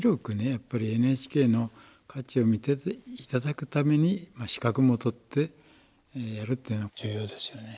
やっぱりＮＨＫの価値を見ていただくために資格も取ってやるっていうのは重要ですよね。